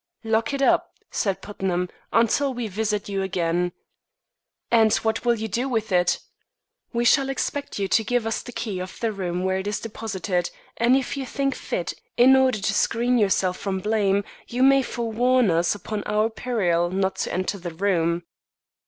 "Lock it up," said Putnam, "until we visit you again." "And what will you do with it?" "We shall expect you to give us the key of the room where it is deposited; and if you think fit, in order to screen yourself from blame, you may forewarn us upon our peril not to enter the room."